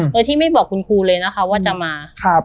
โดยที่ไม่บอกคุณครูเลยนะคะว่าจะมา